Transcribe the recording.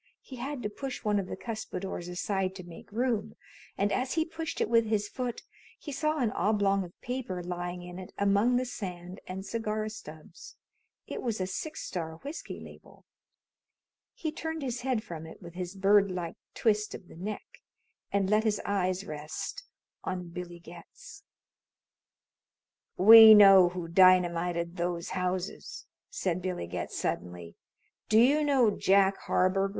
He had to push one of the cuspidors aside to make room, and as he pushed it with his foot he saw an oblong of paper lying in it among the sand and cigar stubs. It was a Six Star whiskey label. He turned his head from it with his bird like twist of the neck and let his eyes rest on Billy Getz. "We know who dynamited those houses!" said Billy Getz suddenly. "Do you know Jack Harburger?"